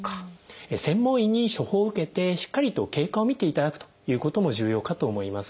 専門医に処方を受けてしっかりと経過を見ていただくということも重要かと思います。